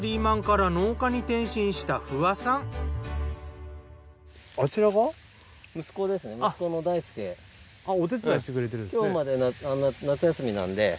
今日まで夏休みなんで。